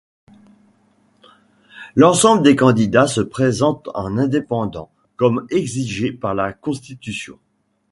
L'ensemble des candidats se présentent en indépendants, comme exigé par la constitution.